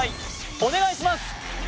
お願いします